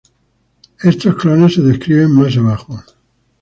Estos clones se describen más abajo.